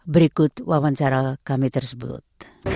berikut wawancara kami tersebut